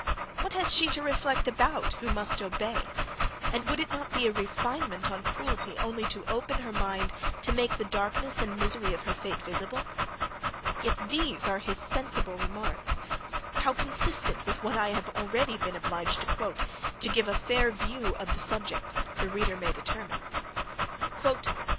What has she to reflect about, who must obey? and would it not be a refinement on cruelty only to open her mind to make the darkness and misery of her fate VISIBLE? Yet these are his sensible remarks; how consistent with what I have already been obliged to quote, to give a fair view of the subject, the reader may determine.